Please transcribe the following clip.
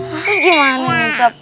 terus gimana nusyep